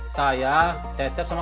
saya mau pulang aja